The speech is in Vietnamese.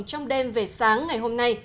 trong đêm về sáng ngày hôm nay